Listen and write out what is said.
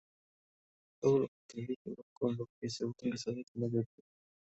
Todo lo contrario de lo que se ha utilizado en su mayoría.